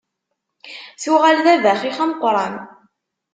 Tuɣal d abaxix ameqqran.